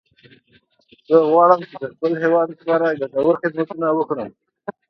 زه غواړم چې د خپل هیواد لپاره ګټور خدمتونه وکړم